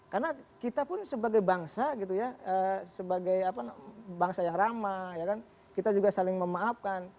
karena kita pun sebagai bangsa sebagai bangsa yang rama kita juga saling memaafkan